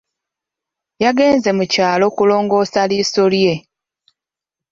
Yagenze mu kyalo kulongoosa liiso lye.